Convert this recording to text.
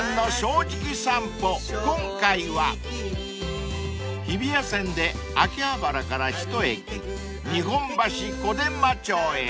［今回は日比谷線で秋葉原から一駅日本橋小伝馬町へ］